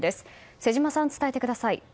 瀬島さん、伝えてください。